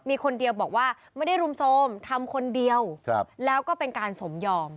มีคนเดียวบอกว่าไม่ได้รุมโทรมทำคนเดียวแล้วก็เป็นการสมยอม